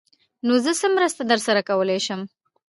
_نو زه څه مرسته درسره کولای شم؟